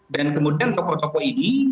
dan kemudian toko toko ini